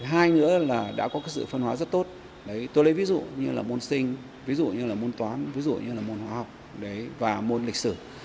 hai nữa là đã có sự phân hóa rất tốt tôi lấy ví dụ như là môn sinh ví dụ như là môn toán ví dụ như là môn hóa học và môn lịch sử